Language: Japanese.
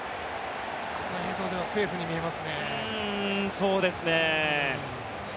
この映像ではセーフに見えますね。